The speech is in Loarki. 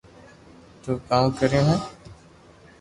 تو ڪاوُ ڪريو ھي